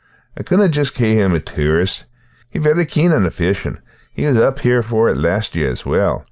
I couldna just cae him a tourist. He's vary keen on the fishin' and was up here for it last year as well.